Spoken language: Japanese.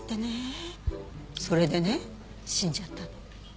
それでね死んじゃったの。